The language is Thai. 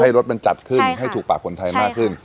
รสมันจัดขึ้นให้ถูกปากคนไทยมากขึ้น